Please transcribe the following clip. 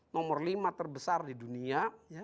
nomor lima terbesar di dunia